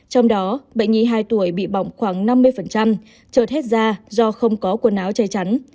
trong đó bệnh nhi hai tuổi bị bỏng khoảng năm mươi trở hết da do không có quần áo che chắn